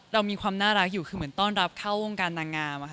เรามีความน่ารักอยู่คือเหมือนต้อนรับเข้าวงการนางงาม